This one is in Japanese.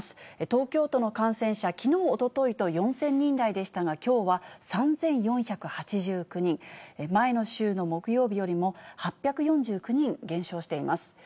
東京都の感染者、きのう、おとといと４０００人台でしたが、きょうは３４８９人、前の週の木曜日よりも、８４９人減少しています。